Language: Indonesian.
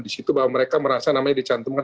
di situ bahwa mereka merasa namanya dicantumkan